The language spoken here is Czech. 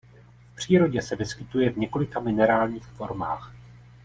V přírodě se vyskytuje v několika minerálních formách.